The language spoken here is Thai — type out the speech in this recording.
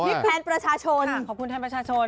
คือขอบคุณท่านประชาชนค่ะขอบคุณท่านประชาชน